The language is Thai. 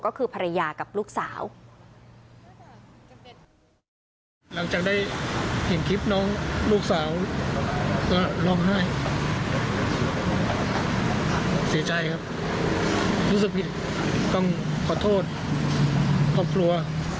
ก็คือภรรยากับลูกสาว